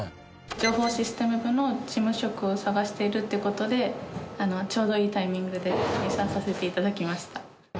情報システム部の事務職を探しているという事でちょうどいいタイミングで入社させて頂きました。